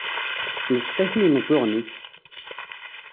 Lseq-it i yimeẓẓuɣen-ik!